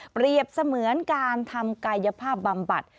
เปรียบเสมือนการทำกายภาพบำบัด